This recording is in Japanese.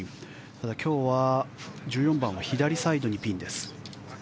ただ、今日は１４番は左サイドにピンです。